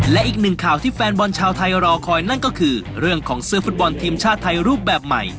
และอีกหนึ่งข่าวที่แฟนบอลชาวไทยรอคอยนั่นก็คือเรื่องของเสื้อฟุตบอลทีมชาติไทยรูปแบบใหม่